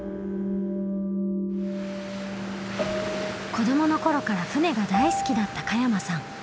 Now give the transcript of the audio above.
子どものころから船が大好きだった加山さん。